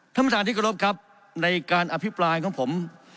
ท่านประธานที่กรบครับในการอภิปรายของผม